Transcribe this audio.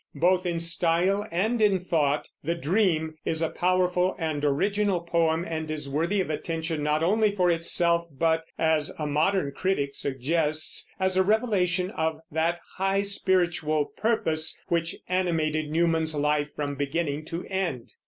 Both in style and in thought "The Dream" is a powerful and original poem and is worthy of attention not only for itself but, as a modern critic suggests, "as a revelation of that high spiritual purpose which animated Newman's life from beginning to end."